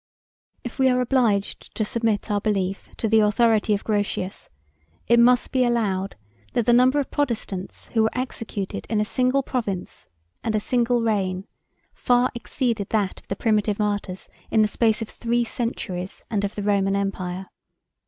If we are obliged to submit our belief to the authority of Grotius, it must be allowed, that the number of Protestants, who were executed in a single province and a single reign, far exceeded that of the primitive martyrs in the space of three centuries, and of the Roman empire.